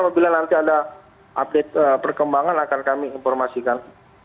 apabila nanti ada update perkembangan akan kami informasikan